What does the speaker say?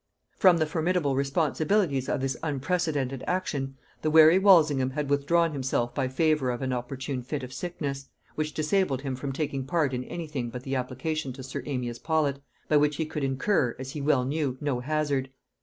From the formidable responsibilities of this unprecedented action, the wary Walsingham had withdrawn himself by favor of an opportune fit of sickness, which disabled him from taking part in any thing but the application to sir Amias Paulet, by which he could incur, as he well knew, no hazard.